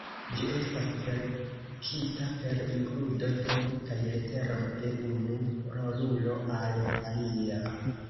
Ĝi estas verkita per inkludo de multaj leteroj de unu rolulo al alia.